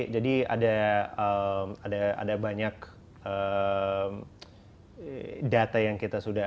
jadi ada banyak data yang kita sudah